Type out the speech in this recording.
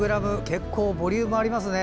結構ボリュームありますね。